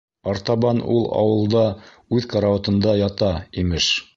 Артабан ул ауылда үҙ карауатында ята, имеш.